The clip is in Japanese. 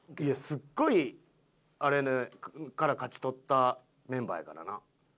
いやすっごいあれで勝ち取ったメンバーやからな。